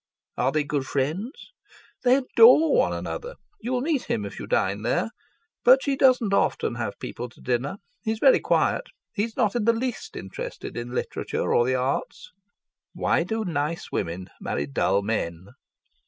"Are they good friends?" "They adore one another. You'll meet him if you dine there. But she doesn't often have people to dinner. He's very quiet. He's not in the least interested in literature or the arts." "Why do nice women marry dull men?"